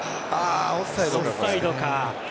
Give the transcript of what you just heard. オフサイドか。